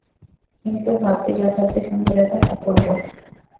কিন্তু ভাবটি যথার্থই সুন্দর এবং অপূর্ব।